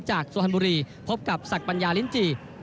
จากสุภัณฑ์บุรีพบกับสักปัญญาลินจี